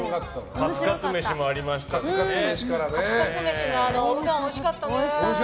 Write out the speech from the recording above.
カツカツ飯のおうどんおいしかったね。